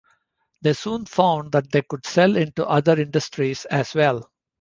They soon found that they could sell into other industries as well.